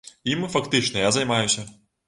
Ім, фактычна, я займаюся.